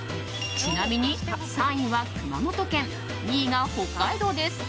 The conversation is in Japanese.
ちなみに３位は熊本県２位が北海道です。